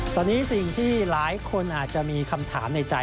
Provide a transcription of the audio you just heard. ตอนนี้สิ่งที่หลายคนอาจจะมีคำถามในใจ